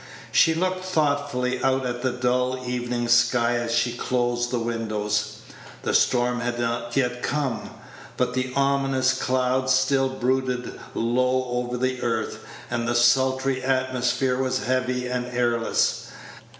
She looked thoughtfully out at the dull evening sky as she closed the windows. The storm had not yet come, but the ominous clouds still brooded low over the earth, and the sultry atmosphere was heavy and airless.